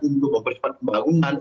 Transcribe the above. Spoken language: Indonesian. untuk mempercepat pembangunan